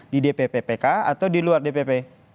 di dpp pk atau di luar dpp